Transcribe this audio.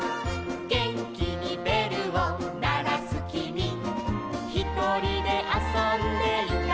「げんきにべるをならすきみ」「ひとりであそんでいたぼくは」